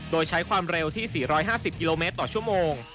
โดยใช้ความเร็วที่๔๕๐กิโลเมตรต่อชั่วโมง